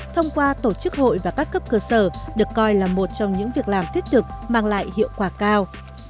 thông qua tổ chức hội và các cấp cơ sở được coi là một trong những việc làm thiết thực mang lại hiệu quả cao